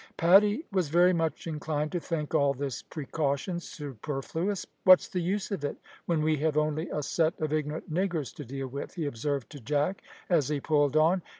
Paddy was very much inclined to think all this precaution superfluous. "What's the use of it, when we have only a set of ignorant niggers to deal with?" he observed to Jack, as he pulled on.